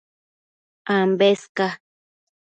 Ambes ca